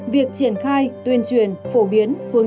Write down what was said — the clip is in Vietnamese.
việc triển khai tuyên truyền phổ biến